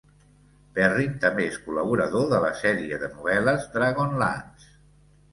Perrin també és col·laborador de la serie de novel·les Dragonlance.